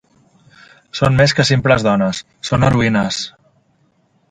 Són més que simples dones, són heroïnes.